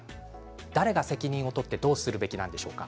誰が責任を取ってどうするべきなんでしょうか。